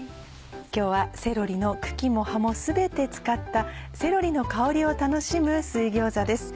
今日はセロリの茎も葉も全て使ったセロリの香りを楽しむ水餃子です。